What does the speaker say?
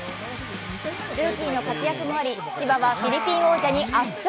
ルーキーの活躍もあり、千葉はフィリピン王者に圧勝。